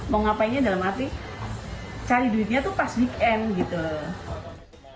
mau ngapainnya dalam arti cari duitnya tuh pas weekend gitu